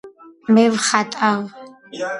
მე ვხატავ